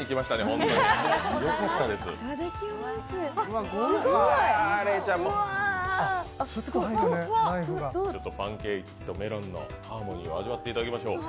うわっ、すごい！パンケーキとメロンのハーモニーを味わっていだたきましょう。